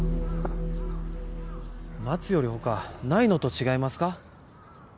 待つより他ないのと違いますか？